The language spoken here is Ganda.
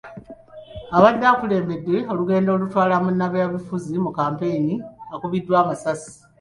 Abadde akulembedde mu lugendo olutwala munnabyabufuzi mu kampeyini akubiddwa amasasi.